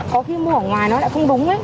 có khi mua ở ngoài nó lại không đúng